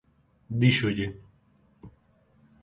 Díxolle: